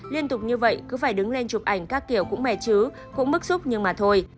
liên tục như vậy cứ phải đứng lên chụp ảnh các kiểu cũng mẻ chứ cũng bức xúc nhưng mà thôi